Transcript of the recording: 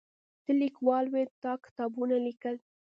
ته لیکوال وې تا کتابونه لیکل.